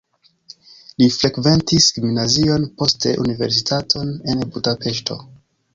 Li frekventis gimnazion, poste universitaton en Budapeŝto.